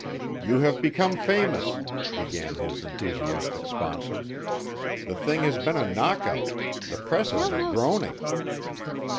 "You have become famous," began his enthusiastic sponsor. "The thing has been a knockout the presses are groaning."